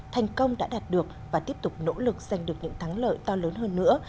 thành công đã đạt được và tiếp tục nỗ lực giành được những thắng lợi to lớn hơn nữa